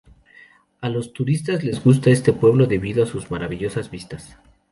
A los turistas le gusta este pueblo debido a sus maravillosas vistas.